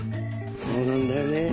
そうなんだよねえ。